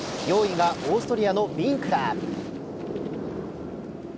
４位がオーストリアのビンクラー。